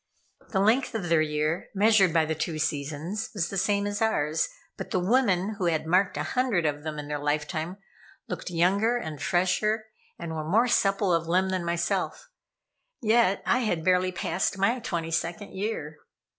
The length of their year, measured by the two seasons, was the same as ours, but the women who had marked a hundred of them in their lifetime, looked younger and fresher, and were more supple of limb than myself, yet I had barely passed my twenty second year.